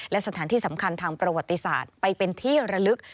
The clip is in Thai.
และสถานที่สำคัญทางประวัติศาสตร์ไปเป็นที่ระลึก